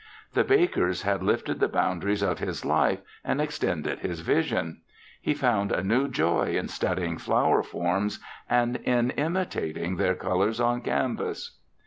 The Bakers had lifted the boundaries of his life and extended his vision. He found a new joy in studying flower forms and in imitating their colors on canvas.